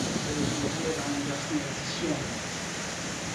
Der is mei dy rein dochs neat te sjen.